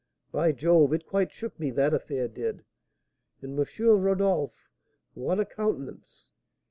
By Jove! it quite shook me, that affair did. And M. Rodolph, what a countenance!